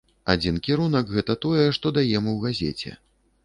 Адзін кірунак гэта тое, што даем у газеце.